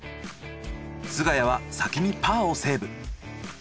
菅谷は先にパーをセーブ。